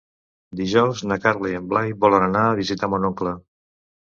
Dijous na Carla i en Blai volen anar a visitar mon oncle.